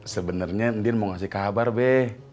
sebenernya ndin mau ngasih kabar be